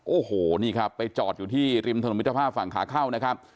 โอ้โหนี่ครับไปจอดอยู่ที่ริมถนนมิตรภาพฝั่งขาเข้านะครับ